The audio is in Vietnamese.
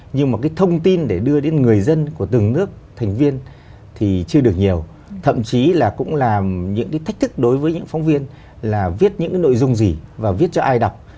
nhưng mà cái thông tin để đưa đến người dân của từng nước thành viên thì chưa được nhiều thậm chí là cũng làm những cái thách thức đối với những phóng viên là viết những nội dung gì và viết cho ai đọc